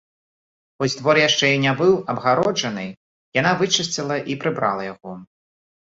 Хоць двор яшчэ і не быў абгароджаны, яна вычысціла і прыбрала яго.